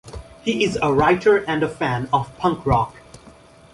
He is a writer and a fan of punk rock.